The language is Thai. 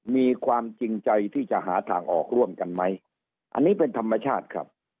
มีความจริงใจที่จะหาทางออกร่วมกันไหมอันนี้เป็นธรรมชาติครับ